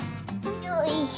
よいしょ！